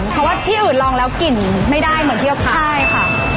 เพราะว่าที่อื่นลองแล้วกลิ่นไม่ได้เหมือนเทียบกันใช่ค่ะ